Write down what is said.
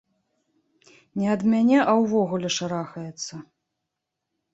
Не ад мяне, а ўвогуле шарахаецца.